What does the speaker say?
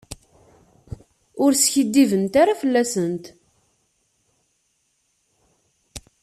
Ur skiddibent ara fell-asent.